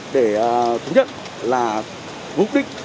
để thống nhất là vũ khí